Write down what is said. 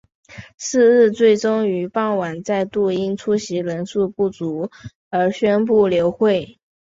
是日最终于傍晚再度因出席人数不足而宣布流会。